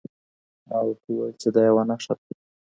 ما ورته وویل چي دا یوه نښه ده.